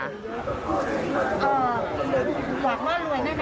หวังว่าโรยแน่